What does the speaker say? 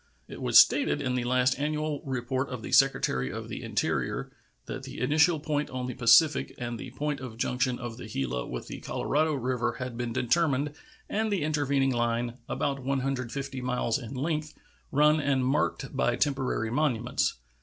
It was stated in the last annual report of the Secretary of the Interior that the initial point on the Pacific and the point of junction of the Gila with the Colorado River had been determined and the intervening line, about 150 miles in length, run and marked by temporary monuments.